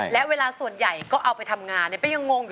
และเวลาส่วนใหญ่ก็เอาไปทำงาน